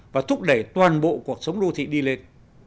và thúc đẩy toàn bộ cuộc sống đô thị đi lên